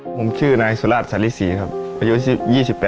ผมชื่อนายสุราชสาริศรีครับอายุ๒๘ปีอาชีพรับจ้างทั่วไปครับ